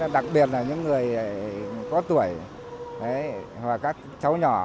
đặc biệt là những người có tuổi và các cháu nhỏ